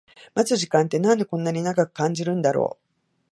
待つ時間ってなんでこんな長く感じるんだろう